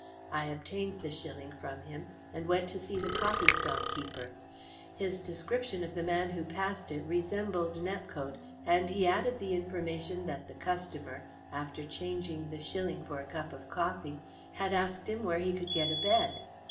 I obtained the shilling from him, and went to see the coffeestall keeper. His description of the man who passed it resembled Nepcote, and he added the information that the customer, after changing the shilling for a cup of coffee, had asked him where he could get a bed.